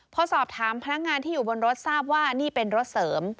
พอสอบถามพนักงานที่อยู่บนรถทราบว่านี่เป็นรถเสริม